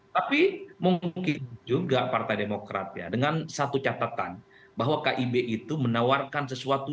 tapi mungkin juga partai demokrat ya dengan satu catatan bahwa kib itu menawarkan sesuatu